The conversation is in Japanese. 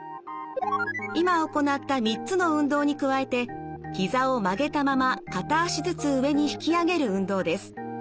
今行った３つの運動に加えてひざを曲げたまま片脚ずつ上に引き上げる運動です。